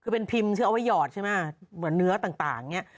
เป็นพิมพ์เอาไว้หยอดใช่ไหมเหมือนเนื้อต่าง